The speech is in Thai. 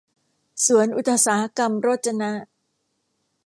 สวนอุตสาหกรรมโรจนะ